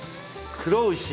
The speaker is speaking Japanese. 黒牛。